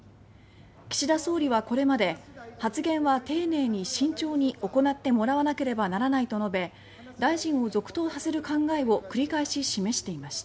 岸田総理はこれまで「発言は丁寧に慎重に行ってもらわければならない」と述べ大臣を続投させる考えを繰り返し示していました。